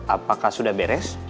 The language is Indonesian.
apakah sudah beres